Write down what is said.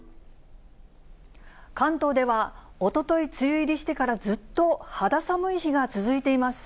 関東では、おととい梅雨入りしてからずっと、肌寒い日が続いています。